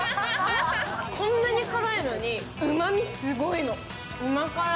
こんなに辛いのに、うまみすごいのうま辛。